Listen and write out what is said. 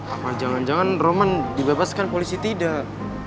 apa jangan jangan roman dibebaskan polisi tidak